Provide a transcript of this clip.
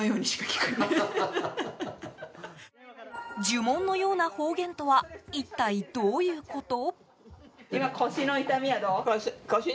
呪文のような方言とは一体どういうこと？